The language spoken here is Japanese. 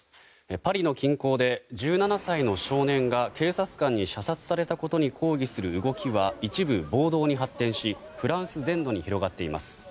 パリの近郊で１７歳の少年が警察官に射殺されたことに抗議する動きは一部暴動に発展しフランス全土に広がっています。